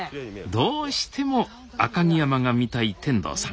どうしても赤城山が見たい天童さん。